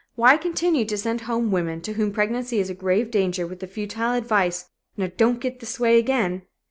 Why continue to send home women to whom pregnancy is a grave danger with the futile advice: "Now don't get this way again!"